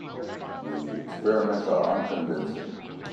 The experiments are unconvincing.